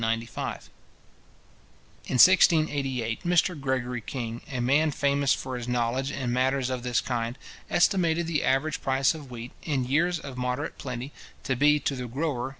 In 1688, Mr Gregory King, a man famous for his knowledge in matters of this kind, estimated the average price of wheat, in years of moderate plenty, to be to the grower 3s.